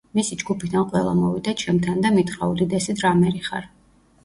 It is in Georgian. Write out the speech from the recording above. მისი ჯგუფიდან ყველა მოვიდა ჩემთან და მითხრა: უდიდესი დრამერი ხარ.